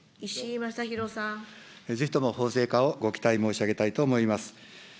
ぜひとも法制化をご期待申し上げたいと思います。